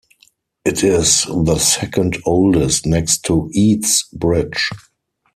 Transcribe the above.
It is the second oldest next to Eads Bridge.